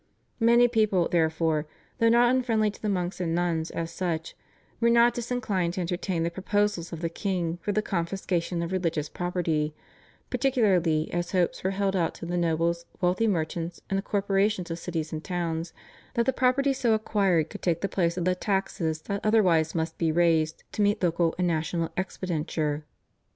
Many people, therefore, though not unfriendly to the monks and nuns as such, were not disinclined to entertain the proposals of the king for the confiscation of religious property, particularly as hopes were held out to the nobles, wealthy merchants, and the corporations of cities and towns that the property so acquired could take the place of the taxes that otherwise must be raised to meet local and national expenditure.